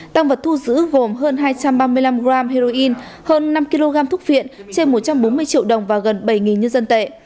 tăng vật thu giữ gồm hơn hai trăm ba mươi năm gram heroin hơn năm kg thuốc phiện trên một trăm bốn mươi triệu đồng và gần bảy nhân dân tệ